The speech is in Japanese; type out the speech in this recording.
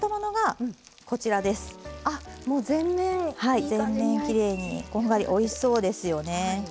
はい全面きれいにこんがりおいしそうですよね。